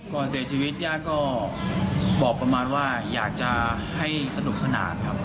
ก่อนเสียชีวิตญาติก็บอกประมาณว่าอยากจะให้สนุกสนานครับ